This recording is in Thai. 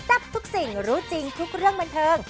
ทับทุกสิ่งรู้จริงทุกเรื่องบันเทิง